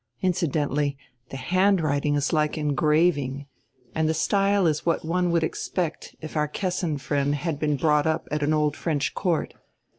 Incident ally, the handwriting is like engraving, and the style is what one would expect if our Kessin friend had been brought up at an Old French court.